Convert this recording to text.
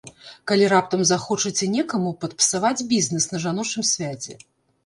Калі раптам захочаце некаму падпсаваць бізнэс на жаночым свяце.